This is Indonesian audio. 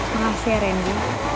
makasih ya rendy